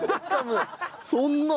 そんな。